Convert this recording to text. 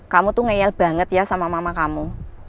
kamu tuh ngeyel banget ya sama mama kamu